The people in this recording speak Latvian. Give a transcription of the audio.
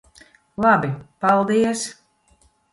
Labi. Paldies.